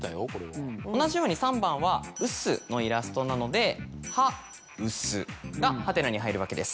同じように３番は「うす」のイラストなので「ハウス」がハテナに入るわけです。